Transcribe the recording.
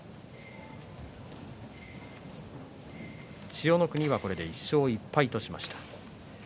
千代の国はこれで１勝１敗としました。